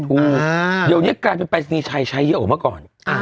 เดี๋ยวนี้การเป็นแปดนี้ใช้เยอะกว่าเมื่อก่อน